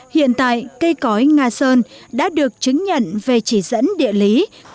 hiện tại cây cói nga sơn đã được chứng nhận về chỉ dẫn địa lý